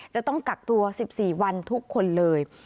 จะต้องกักตัว๑๔วันทุกคนเลย